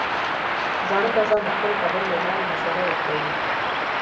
زاړه کسان د خپلو خبرو له لارې مشوره ورکوي